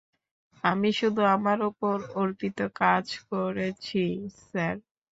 আমি শুধু আমার ওপর অর্পিত কাজ করেছি, স্যার।